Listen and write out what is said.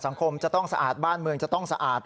สังคมจะต้องสะอาดบ้านเมืองจะต้องสะอาด